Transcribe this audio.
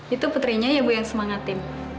itu putrinya ya bu yang semangatin